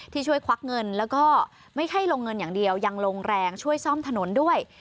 ช่วยควักเงินแล้วก็ไม่ใช่ลงเงินอย่างเดียวยังลงแรงช่วยซ่อมถนนด้วย